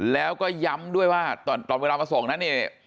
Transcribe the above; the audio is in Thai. แล้วก็ย้ำด้วยว่าตอนเวลามาส่งนั้นเนี่ย